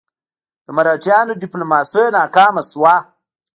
د مرهټیانو ډیپلوماسي ناکامه شوه.